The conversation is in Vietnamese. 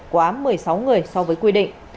quá một mươi sáu người so với quy định